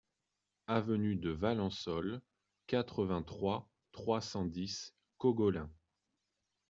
Avenue de Valensole, quatre-vingt-trois, trois cent dix Cogolin